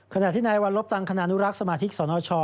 ขณะที่นายวัลลบตังคณานุรักษ์สมาชิกสนช